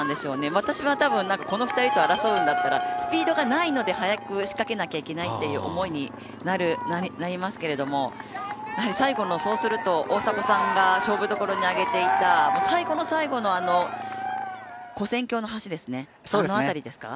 私は多分この２人と争うんであったらスピードがないので早く仕掛けなきゃいけないという思いになりますけど最後、そうすると大迫さんが勝負どころに上げていた最後の最後の、こ線橋の橋ですねあの辺りですか。